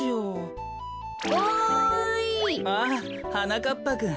ああはなかっぱくん。